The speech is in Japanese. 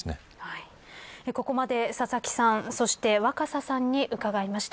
ここまで佐々木さんそして若狭さんに伺いました。